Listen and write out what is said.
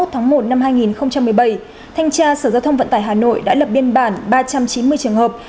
thanh tra sở giao thông vận tải hà nội đã lập biên bản ba trăm chín mươi trường hợp